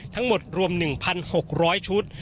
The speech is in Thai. ทั้งหมดรวม๑๖๐๐ชุด